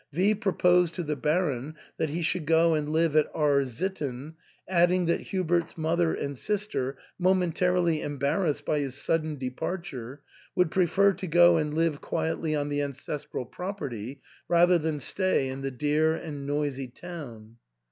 V proposed to the Baron that he should go and live at R — sitten, adding that Hubert's mother and sister, momentarily embar rassed by his sudden departure, would prefer to go and live quietly on the ancestral property rather than stay in the dear and noisy town.